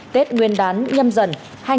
tết nguyên đán nhâm dần hai nghìn hai mươi